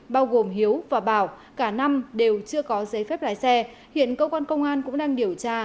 bao gồm hiếu và bảo cả năm đều chưa có giấy phép lái xe hiện cơ quan công an cũng đang điều tra